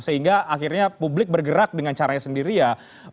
sehingga akhirnya publik bergerak dengan caranya sendiri ya